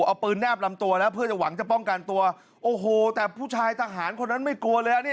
เอาปืนแนบลำตัวแล้วเพื่อจะหวังจะป้องกันตัวโอ้โหแต่ผู้ชายทหารคนนั้นไม่กลัวเลยฮะเนี่ย